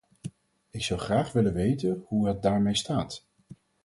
Ik zou graag willen weten hoe het daarmee staat?